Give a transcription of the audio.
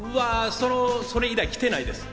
それ以来、来てないです。